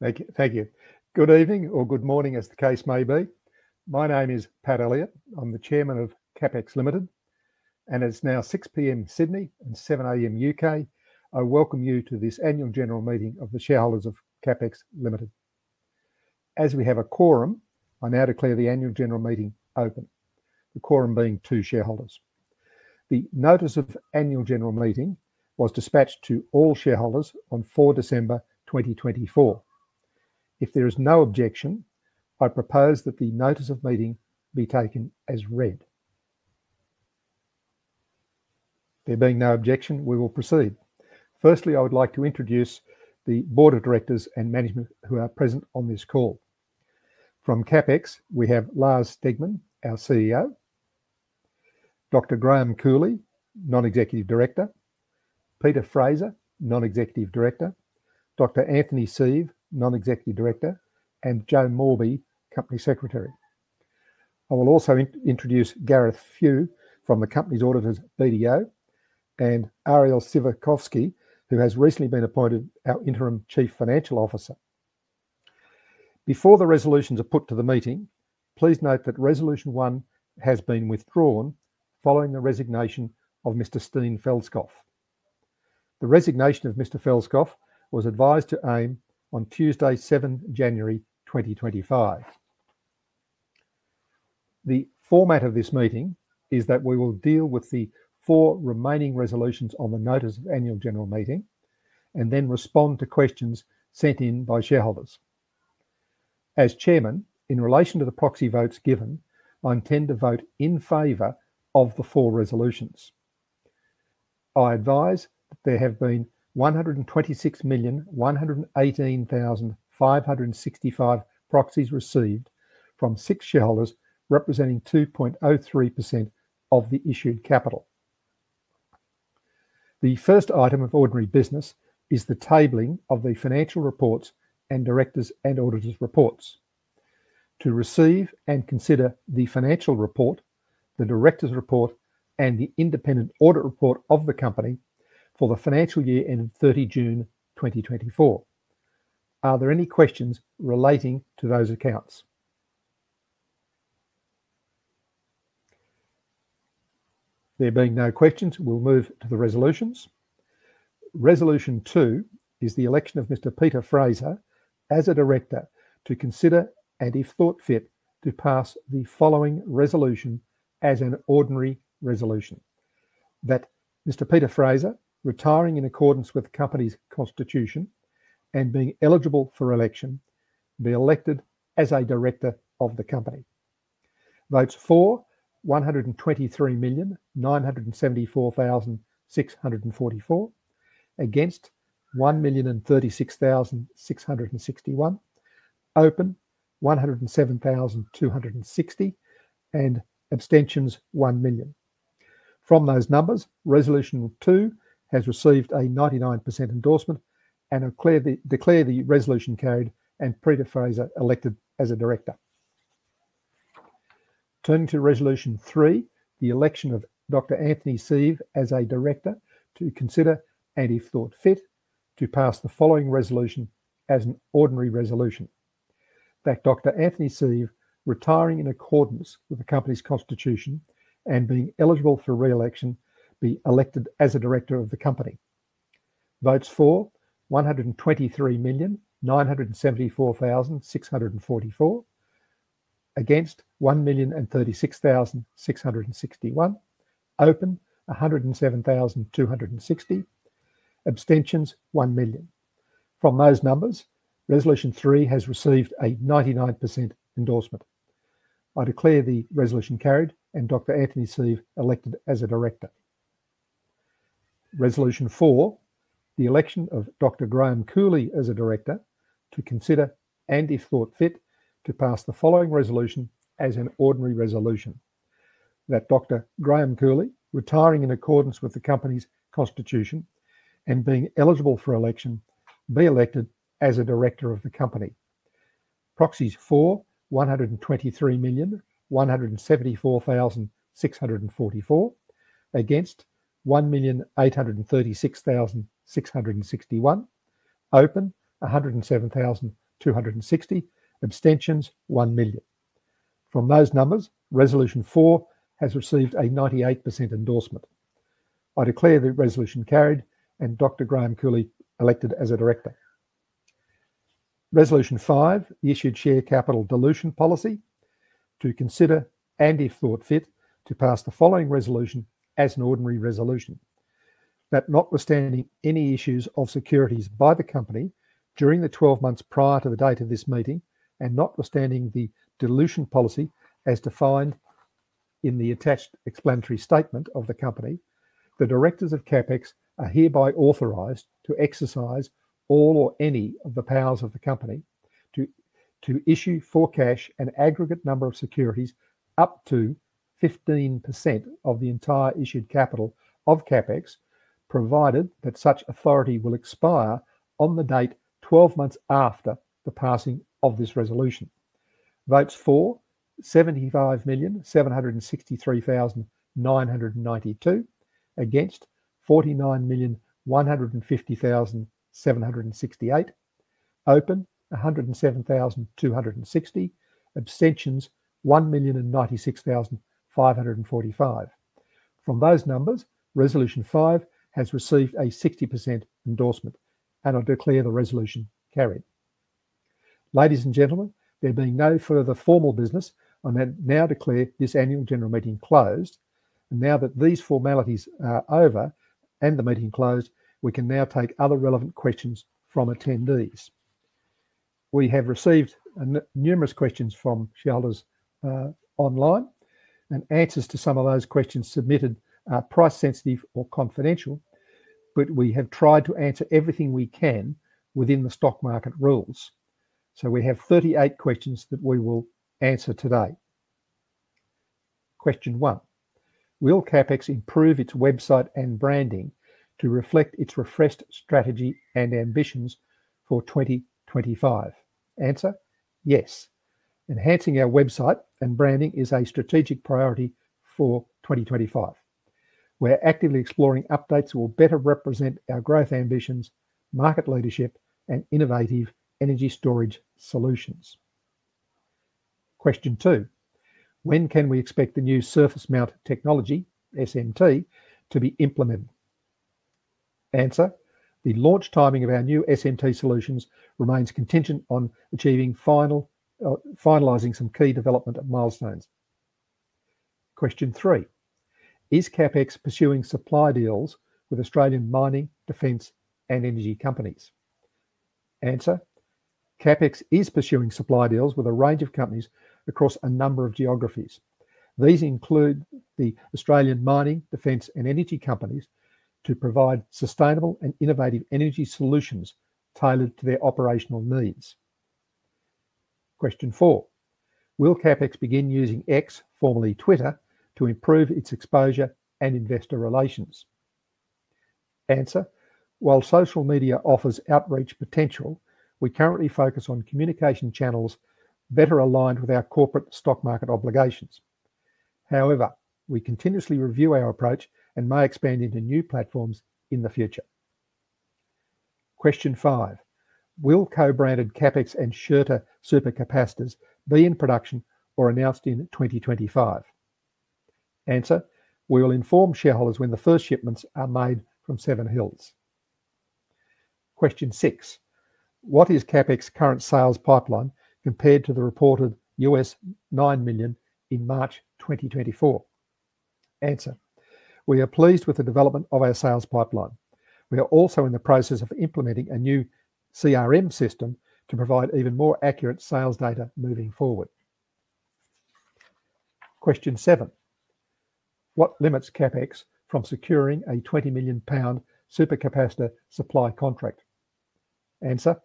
Thank you. Good evening, or good morning, as the case may be. My name is Pat Elliott. I'm the Chairman of CAP-XX, and it's now 6:00 P.M. Sydney and 7:00 A.M. UK. I welcome you to this Annual General Meeting of the Shareholders of CAP-XX. As we have a quorum, I now declare the Annual General Meeting open, the quorum being two shareholders. The Notice of Annual General Meeting was dispatched to all shareholders on 4 December 2024. If there is no objection, I propose that the Notice of Meeting be taken as read. There being no objection, we will proceed. Firstly, I would like to introduce the Board of Directors and Management who are present on this call. From CAP-XX, we have Lars Stegmann, our CEO; Dr. Graham Cooley, Non-Executive Director; Peter Fraser, Non-Executive Director; Dr. Anthony Sive, Non-Executive Director; and Jo Morbey, Company Secretary. I will also introduce Gareth Few from the Company's Auditors, BDO, and Ariel Sivikofsky, who has recently been appointed our Interim Chief Financial Officer. Before the resolutions are put to the meeting, please note that Resolution One has been withdrawn following the resignation of Mr. Steen Feldskov. The resignation of Mr. Feldskov was advised to AIM on Tuesday, 7 January 2025. The format of this meeting is that we will deal with the four remaining resolutions on the Notice of Annual General Meeting and then respond to questions sent in by shareholders. As Chairman, in relation to the proxy votes given, I intend to vote in favor of the four resolutions. I advise that there have been 126,118,565 proxies received from six shareholders, representing 2.03% of the issued capital. The first item of ordinary business is the tabling of the financial reports and directors' and auditors' reports. To receive and consider the financial report, the directors' report, and the independent audit report of the company for the financial year ending 30 June 2024, are there any questions relating to those accounts? There being no questions, we'll move to the resolutions. Resolution Two is the election of Mr. Peter Fraser as a director to consider and, if thought fit, to pass the following resolution as an ordinary resolution: that Mr. Peter Fraser, retiring in accordance with the company's constitution and being eligible for election, be elected as a director of the company. Votes for: 123,974,644, against: 1,036,661, open: 107,260, and abstentions: 1 million. From those numbers, Resolution Two has received a 99% endorsement and declared the resolution carried and Peter Fraser elected as a director. Turning to Resolution Three, the election of Dr. Anthony Sive as a director to consider and, if thought fit, to pass the following resolution as an ordinary resolution: that Dr. Anthony Sive, retiring in accordance with the company's constitution and being eligible for re-election, be elected as a director of the company. Votes for: 123,974,644; against: 1,036,661; open: 107,260; abstentions: 1 million. From those numbers, Resolution Three has received a 99% endorsement. I declare the resolution carried and Dr. Anthony Sive elected as a director. Resolution Four, the election of Dr. Graham Cooley as a director to consider and, if thought fit, to pass the following resolution as an ordinary resolution: that Dr. Graham Cooley, retiring in accordance with the company's constitution and being eligible for election, be elected as a director of the company. Proxies for: 123,174,644; against: 1,836,661; open: 107,260; abstentions: 1 million. From those numbers, Resolution Four has received a 98% endorsement. I declare the resolution carried and Dr. Graham Cooley elected as a director. Resolution Five, the issued share capital dilution policy, to consider and, if thought fit, to pass the following resolution as an ordinary resolution: that notwithstanding any issues of securities by the company during the 12 months prior to the date of this meeting and notwithstanding the dilution policy as defined in the attached explanatory statement of the company, the directors of CAP-XX are hereby authorized to exercise all or any of the powers of the company to issue for cash an aggregate number of securities up to 15% of the entire issued capital of CAP-XX, provided that such authority will expire on the date 12 months after the passing of this resolution. Votes for: 75,763,992; against: 49,150,768; open: 107,260; abstentions: 1,096,545. From those numbers, Resolution Five has received a 60% endorsement, and I declare the resolution carried. Ladies and gentlemen, there being no further formal business, I now declare this Annual General Meeting closed. Now that these formalities are over and the meeting closed, we can now take other relevant questions from attendees. We have received numerous questions from shareholders online, and answers to some of those questions submitted are price-sensitive or confidential, but we have tried to answer everything we can within the stock market rules. So we have 38 questions that we will answer today. Question One: Will CAP-XX improve its website and branding to reflect its refreshed strategy and ambitions for 2025? Answer: Yes. Enhancing our website and branding is a strategic priority for 2025. We're actively exploring updates that will better represent our growth ambitions, market leadership, and innovative energy storage solutions. Question Two: When can we expect the new surface mount technology, SMT, to be implemented? Answer: The launch timing of our new SMT solutions remains contingent on achieving finalizing some key development milestones. Question Three: Is CAP-XX pursuing supply deals with Australian mining, defence, and energy companies? Answer: CAP-XX is pursuing supply deals with a range of companies across a number of geographies. These include the Australian mining, defence, and energy companies to provide sustainable and innovative energy solutions tailored to their operational needs. Question Four: Will CAP-XX begin using X, formerly Twitter, to improve its exposure and investor relations? Answer: While social media offers outreach potential, we currently focus on communication channels better aligned with our corporate stock market obligations. However, we continuously review our approach and may expand into new platforms in the future. Question Five: Will co-branded CAP-XX and Schurter supercapacitors be in production or announced in 2025? Answer: We will inform shareholders when the first shipments are made from Seven Hills. Question Six: What is CAP-XX's current sales pipeline compared to the reported $9 million in March 2024? Answer: We are pleased with the development of our sales pipeline. We are also in the process of implementing a new CRM system to provide even more accurate sales data moving forward. Question Seven: What limits CAP-XX from securing a 20 million pound supercapacitor supply contract? Answer: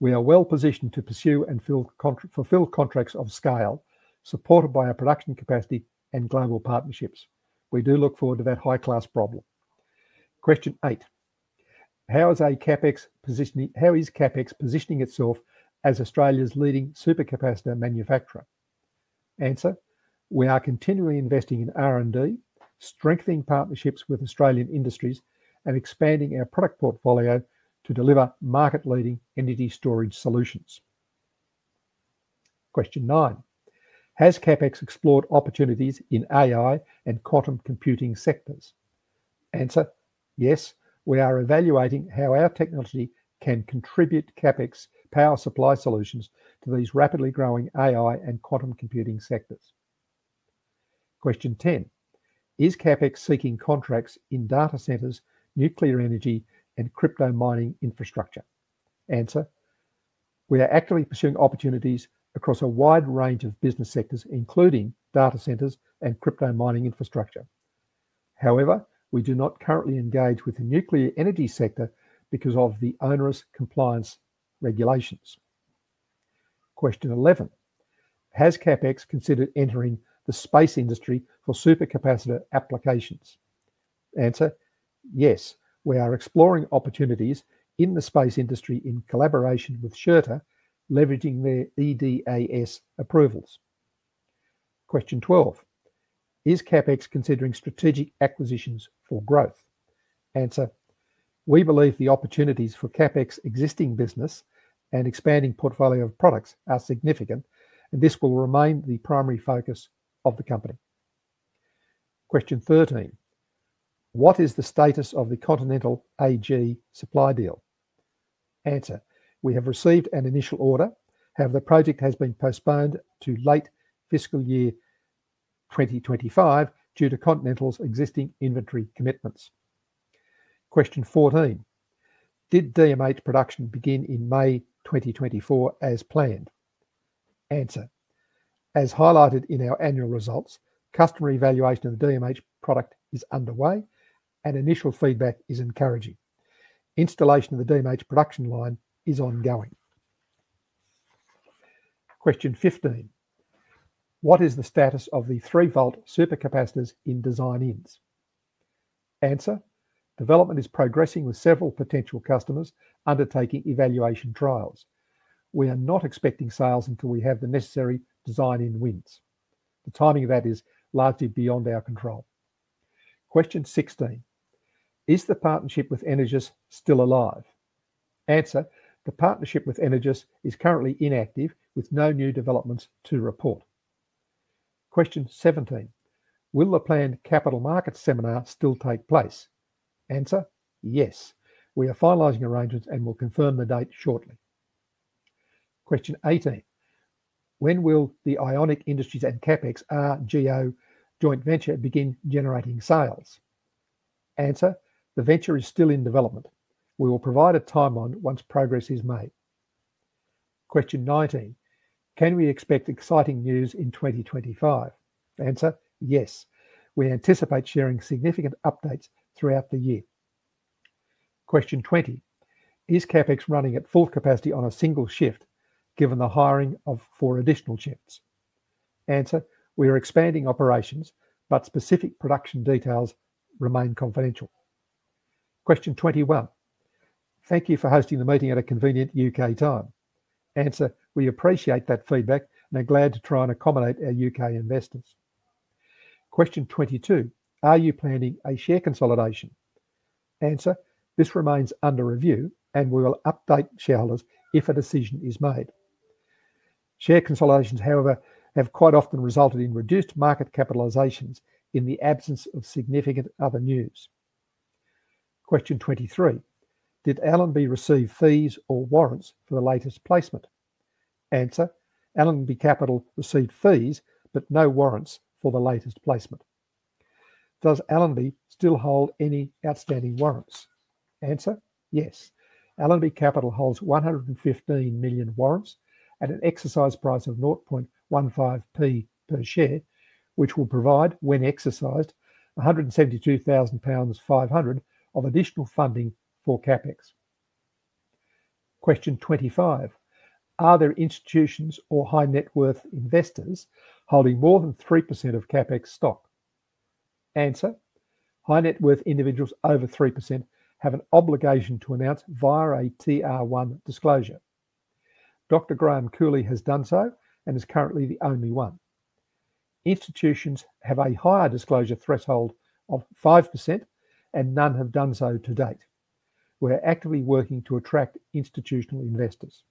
We are well positioned to pursue and fulfil contracts of scale, supported by our production capacity and global partnerships. We do look forward to that high-class problem. Question Eight: How is CAP-XX positioning itself as Australia's leading supercapacitor manufacturer? Answer: We are continually investing in R&D, strengthening partnerships with Australian industries, and expanding our product portfolio to deliver market-leading energy storage solutions. Question Nine: Has CAP-XX explored opportunities in AI and quantum computing sectors? Answer: Yes, we are evaluating how our technology can contribute CAP-XX's power supply solutions to these rapidly growing AI and Quantum Computing sectors. Question Ten: Is CAP-XX seeking contracts in data centers, nuclear energy, and crypto-mining infrastructure? Answer: We are actively pursuing opportunities across a wide range of business sectors, including data centers and crypto-mining infrastructure. However, we do not currently engage with the nuclear energy sector because of the onerous compliance regulations. Question Eleven: Has CAP-XX considered entering the space industry for supercapacitor applications? Answer: Yes, we are exploring opportunities in the space industry in collaboration with Schurter, leveraging their eDIAS approvals. Question Twelve: Is CAP-XX considering strategic acquisitions for growth? Answer: We believe the opportunities for CAP-XX's existing business and expanding portfolio of products are significant, and this will remain the primary focus of the company. Question Thirteen: What is the status of the Continental AG supply deal? Answer: We have received an initial order, however, the project has been postponed to late fiscal year 2025 due to Continental's existing inventory commitments. Question Fourteen: Did DMH production begin in May 2024 as planned? Answer: As highlighted in our annual results, customer evaluation of the DMH product is underway, and initial feedback is encouraging. Installation of the DMH production line is ongoing. Question Fifteen: What is the status of the 3-volt supercapacitors in design-ins? Answer: Development is progressing with several potential customers undertaking evaluation trials. We are not expecting sales until we have the necessary design-in wins. The timing of that is largely beyond our control. Question Sixteen: Is the partnership with Energous still alive? Answer: The partnership with Energous is currently inactive, with no new developments to report. Question Seventeen: Will the planned capital markets seminar still take place? Answer: Yes, we are finalizing arrangements and will confirm the date shortly. Question Eighteen: When will the Ionic Industries and CAP-XX rGO joint venture begin generating sales? Answer: The venture is still in development. We will provide a timeline once progress is made. Question Nineteen: Can we expect exciting news in 2025? Answer: Yes, we anticipate sharing significant updates throughout the year. Question Twenty: Is CAP-XX running at full capacity on a single shift, given the hiring of four additional shifts? Answer: We are expanding operations, but specific production details remain confidential. Question Twenty-One: Thank you for hosting the meeting at a convenient U.K. time. Answer: We appreciate that feedback and are glad to try and accommodate our U.K. investors. Question Twenty-Two: Are you planning a share consolidation? Answer: This remains under review, and we will update shareholders if a decision is made. Share consolidations, however, have quite often resulted in reduced market capitalisations in the absence of significant other news. Question Twenty-Three: Did Allenby receive fees or warrants for the latest placement? Answer: Allenby Capital received fees, but no warrants for the latest placement. Does Allenby still hold any outstanding warrants? Answer: Yes, Allenby Capital holds 115 million warrants at an exercise price of 0.15p per share, which will provide, when exercised, £172,500 of additional funding for CAP-XX. Question Twenty-Five: Are there institutions or high-net-worth investors holding more than 3% of CAP-XX stock? Answer: High-net-worth individuals over 3% have an obligation to announce via a TR-1 disclosure. Dr. Graham Cooley has done so and is currently the only one. Institutions have a higher disclosure threshold of 5%, and none have done so to date. We are actively working to attract institutional investors.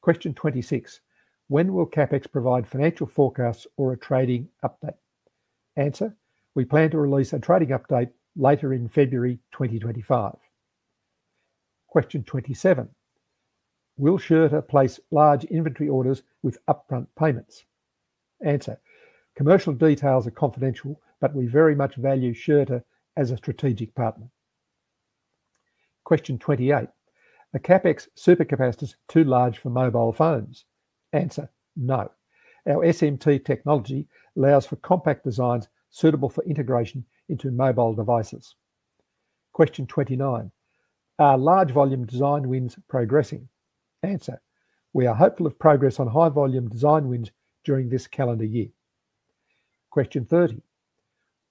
Question Twenty-Six: When will CAP-XX provide financial forecasts or a trading update? Answer: We plan to release a trading update later in February 2025. Question Twenty-Seven: Will Schurter place large inventory orders with upfront payments? Answer: Commercial details are confidential, but we very much value Schurter as a strategic partner. Question Twenty-Eight: Are CAP-XX supercapacitors too large for mobile phones? Answer: No. Our SMT technology allows for compact designs suitable for integration into mobile devices. Question Twenty-Nine: Are large-volume design wins progressing? Answer: We are hopeful of progress on high-volume design wins during this calendar year. Question Thirty: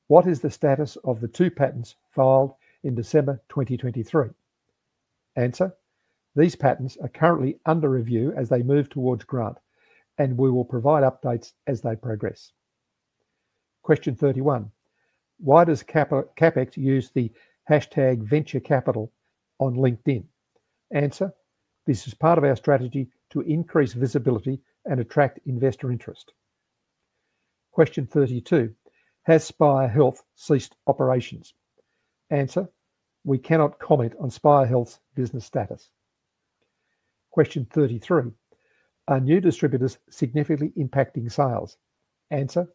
What is the status of the two patents filed in December 2023? Answer: These patents are currently under review as they move towards grant, and we will provide updates as they progress. Question Thirty-One: Why does CAP-XX use the hashtag #VentureCapital on LinkedIn? Answer: This is part of our strategy to increase visibility and attract investor interest. Question Thirty-Two: Has Spire Health ceased operations? Answer: We cannot comment on Spire Health's business status. Question Thirty-Three: Are new distributors significantly impacting sales? Answer: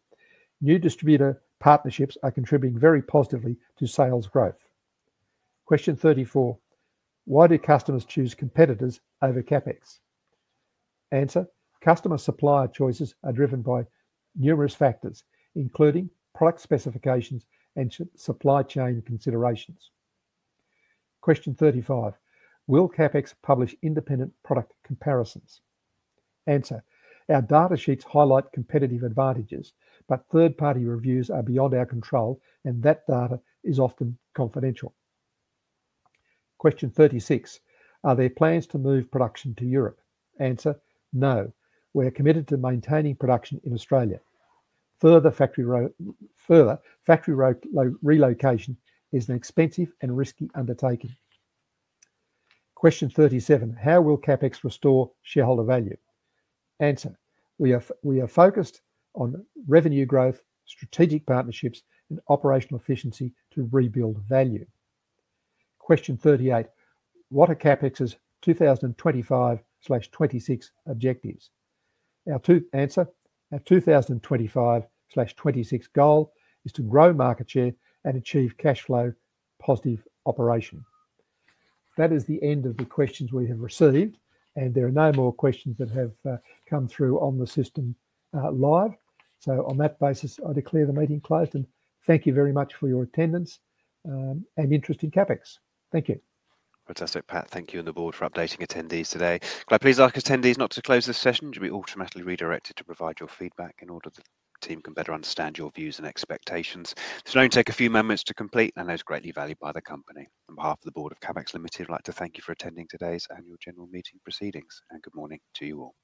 New distributor partnerships are contributing very positively to sales growth. Question Thirty-Four: Why do customers choose competitors over CAP-XX? Answer: Customer supplier choices are driven by numerous factors, including product specifications and supply chain considerations. Question Thirty-Five: Will CAP-XX publish independent product comparisons? Answer: Our data sheets highlight competitive advantages, but third-party reviews are beyond our control, and that data is often confidential. Question Thirty-Six: Are there plans to move production to Europe? Answer: No. We are committed to maintaining production in Australia. Further factory relocation is an expensive and risky undertaking. Question Thirty-Seven: How will CAP-XX restore shareholder value? Answer: We are focused on revenue growth, strategic partnerships, and operational efficiency to rebuild value. Question Thirty-Eight: What are CAP-XX's 2025/26 objectives? Answer: Our 2025/26 goal is to grow market share and achieve cash flow positive operation. That is the end of the questions we have received, and there are no more questions that have come through on the system live. So, on that basis, I declare the meeting closed and thank you very much for your attendance and interest in CAP-XX. Thank you. Fantastic, Pat. Thank you and the board for updating attendees today. Could I please ask attendees not to close this session? You'll be automatically redirected to provide your feedback in order the team can better understand your views and expectations. This meeting will take a few moments to complete, and it is greatly valued by the company. On behalf of the board of CAP-XX Limited, I'd like to thank you for attending today's annual general meeting proceedings, and good morning to you all.